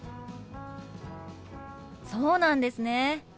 そうなんですね。